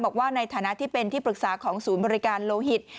บอกว่าในฐานะที่เป็นที่ปรึกษาของศูนย์บริการโลหิต